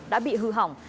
đã bị hư hỏng